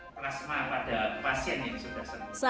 plasma pada pasien yang sudah sembuh